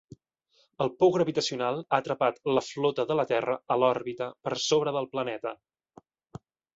El pou gravitacional ha atrapat la flota de la Terra a l'òrbita per sobre del planeta.